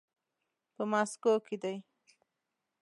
په ماسکو کې دی.